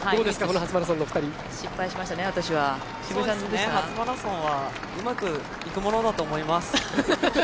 初マラソンはうまくいくものだと思います。